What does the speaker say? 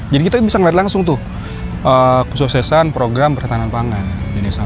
jadi kita bisa melihat langsung tuh khusus sesan program pertahanan pangan di desa